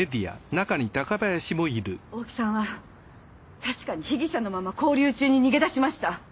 大木さんは確かに被疑者のまま勾留中に逃げ出しました。